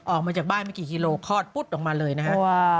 ออกมาจากบ้านไม่กี่กิโลคลอดปุ๊ดออกมาเลยนะฮะ